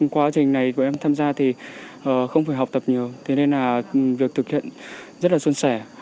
quá trình này của em tham gia thì không phải học tập nhiều thế nên là việc thực hiện rất là xuân sẻ